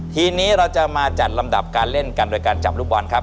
ทีนี้เราจะมาจัดลำดับการเล่นกันโดยการจับลูกบอลครับ